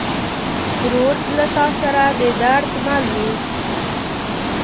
ورور له تا سره د درد مل وي.